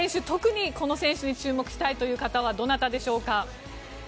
特に、この選手に注目したいという方はどなたでしょうか？